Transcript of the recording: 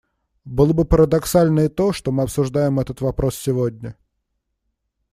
Было бы парадоксально и то, что мы обсуждаем этот вопрос сегодня.